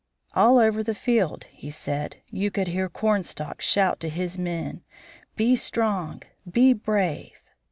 "All over the field," he said, "you could hear Cornstalk shout to his men 'Be strong! Be brave!'